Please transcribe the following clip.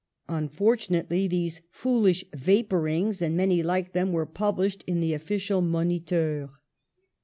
Unfortunately these foolish vapourings, and many like them, were published in the official Moniteur.